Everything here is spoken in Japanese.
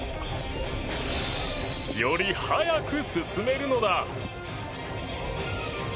より速く進めるのだ。